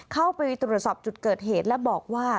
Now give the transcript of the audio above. เข้าไปตรวจสอบจุดเกิดเหตุและบอกว่า